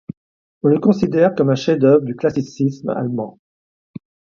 On le considère comme un chef-d'œuvre du classicisme allemand.